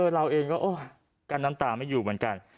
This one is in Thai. เราเองก็กั้นน้ำตาไม่อยู่เหมือนกัน